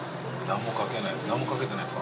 何も掛けてない。